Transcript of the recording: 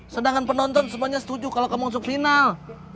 sedangkan penonton semuanya setuju kalau kamu masuk final